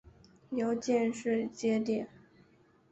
由进士擢第。